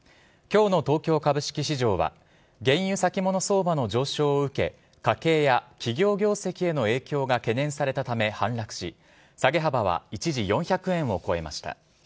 今日の東京株式市場は原油先物相場の上昇を受け家計や企業業績への影響が懸念されたため反落し下げ幅は一時４００円を超えました。